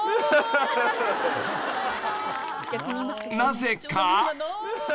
［なぜか］